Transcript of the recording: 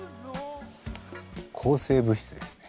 抗生物質ですね。